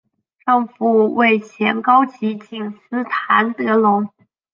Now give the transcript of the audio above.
丈夫为前高级警司谭德荣。